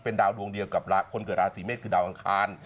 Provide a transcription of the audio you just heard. ดาวดวงเดียวกับคนเกิดราศีเมษคือดาวอังคาร